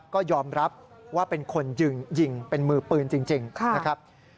ก็ยอมรับว่าเป็นคนยิงยิงเป็นมือปืนจริงนะครับ